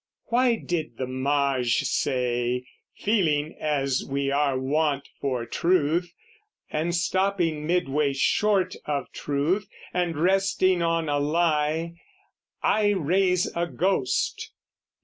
Why did the mage say, feeling as we are wont For truth, and stopping midway short of truth, And resting on a lie, "I raise a ghost?"